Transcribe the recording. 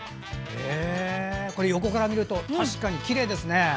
横から見ると確かにきれいですね。